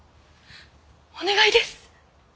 お願いです。